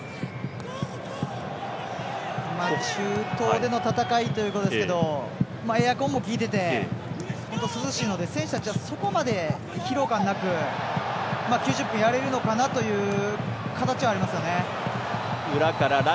中東での戦いということですけどエアコンもきいていて涼しいので選手たちは、そこまで疲労感なく９０分やれるのかなという形はありますよね。